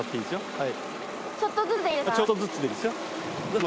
はい。